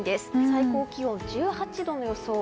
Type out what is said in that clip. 最高気温、１８度の予想。